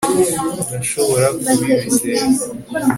urashobora kubizera